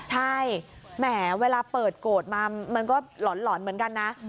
ใช่แหมเวลาเปิดโกรธมามันก็หล่อนเหมือนกันนะ